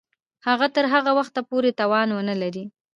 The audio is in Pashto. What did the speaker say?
هغه تر هغه وخته پوري توان ونه لري.